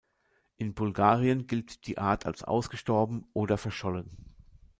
In Bulgarien gilt die Art als ausgestorben oder verschollen.